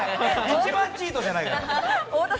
一番チートじゃないから。